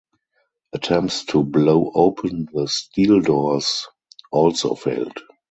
Attempts to blow open the steel doors also failed.